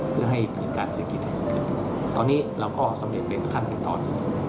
เพื่อให้การเศรษฐกิจขึ้นขึ้นตอนนี้เราก็สำเร็จเป็นขั้นตอน